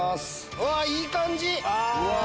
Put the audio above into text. うわいい感じ！